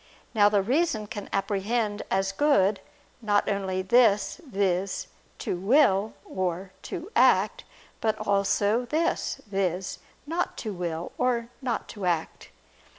Now the reason can apprehend as good, not only this, viz. "to will" or "to act," but also this, viz. "not to will" or "not to act."